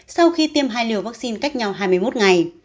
sau khi tiêm hai liều vaccine cách nhau hai mươi một ngày